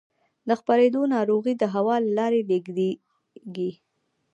د خپرېدو ناروغۍ د هوا له لارې لېږدېږي.